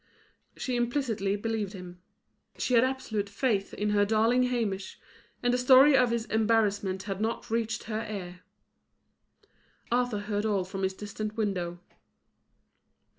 She implicitly believed him. She had absolute faith in her darling Hamish; and the story of his embarrassments had not reached her ear. Arthur heard all from his distant window.